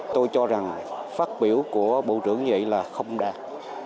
tôi cho rằng phát biểu của bộ trưởng như vậy là không đạt